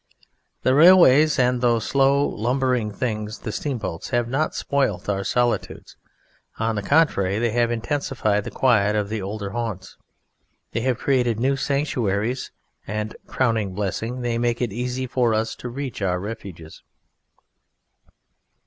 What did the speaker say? The railways and those slow lumbering things the steamboats have not spoilt our solitudes, on the contrary they have intensified the quiet of the older haunts, they have created new sanctuaries, and (crowning blessing) they make it easy for us to reach our refuges.